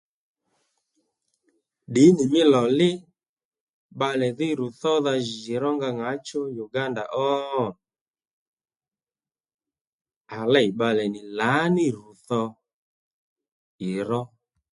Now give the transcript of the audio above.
Ddǐnì mí lò lí bbalè dhí rù thódha jì rónga ŋǎchú Uganda ó? À lêy bbalè nì lǎní rù tho ì ró